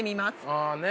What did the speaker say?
ああねえ。